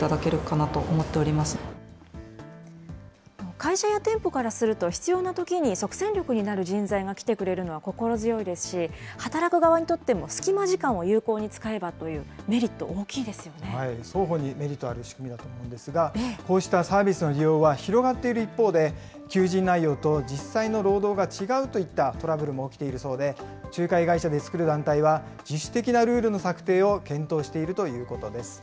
会社や店舗からすると、必要なときに即戦力になる人材が来てくれるのは心強いですし、働く側にとっても隙間時間を有効に使えばというメリット、大きい双方にメリットある仕組みだと思うんですが、こうしたサービスの利用は、広がっている一方で、求人内容と実際の労働が違うといったトラブルも起きているそうで、仲介会社で作る団体は、自主的なルールの策定を検討しているということです。